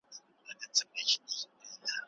د نشې څخه انکار د ژوند سزه مینه ده.